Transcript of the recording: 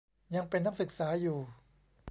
ยังเป็นนักศึกษาอยู่